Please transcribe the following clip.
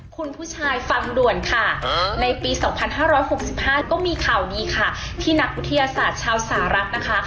คุณผู้ชายฟังด่วนค่ะในปี๒๕๖๕ก็มีข่าวดีค่ะที่นักวิทยาศาสตร์ชาวสหรัฐนะคะ